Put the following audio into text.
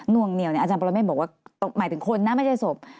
วงเหนียวเนี่ยอาจารย์ปรเมฆบอกว่าหมายถึงคนนะไม่ใช่ศพ